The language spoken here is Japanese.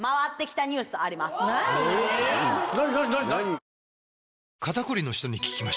何？